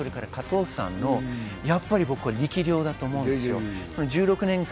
それは僕はこの番組、それから加藤さんの力量だと思うんですよ。